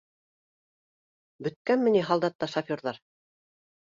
Бөткәнме ни һалдатта шоферҙар